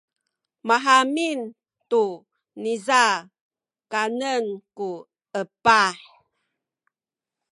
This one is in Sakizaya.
mahamin tu niza kanen ku epah.